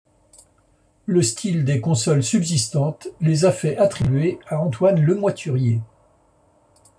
Le style des consoles subsistantes les a fait attribuer à Antoine Le Moiturier.